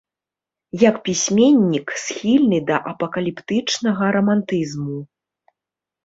Як пісьменнік схільны да апакаліптычнага рамантызму.